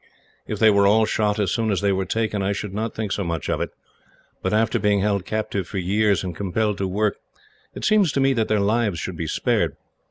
If they were all shot, as soon as they were taken, I should not think so much of it; but after being held captive for years, and compelled to work, it seems to me that their lives should be spared.